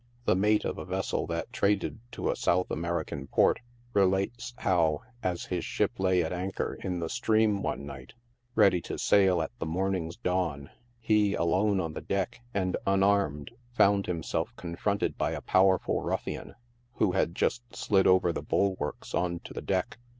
The mate of a vessel that traded to a South American port relates how, as his ship lay at anchor in the stream one night, ready to sail at the morning's dawn, he, alone on the deck, and unarmed, found himself confronted by a powerful ruffian, who had just slid over the bulwarks on to the deck.